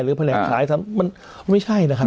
หรือแผนกขายทำมันไม่ใช่นะครับ